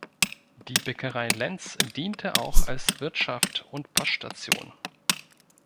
Die Bäckerei Lenz diente auch als Wirtschaft und Poststation.